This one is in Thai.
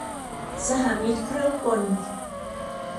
สหมิตรเครื่องกล